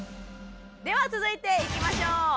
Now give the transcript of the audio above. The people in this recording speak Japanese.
では続いていきましょう！